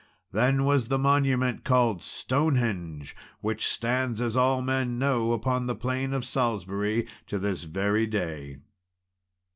Then was the monument called "Stonehenge," which stands, as all men know, upon the plain of Salisbury to this very day.